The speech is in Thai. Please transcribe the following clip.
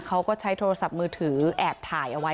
เขาก็ใช้โทรศัพท์มือถือแอบถ่ายเอาไว้